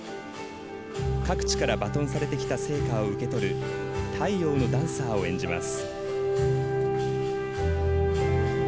各地からバトンされてきた聖火を受け取る太陽のダンサーを演じます。